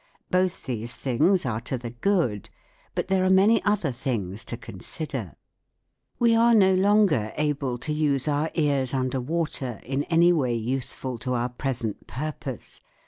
Both these things are to SOUND IN WAR 165 the good. But there are many other things to consider. We are no longer able to use our ears under water in any way useful to our present purpose.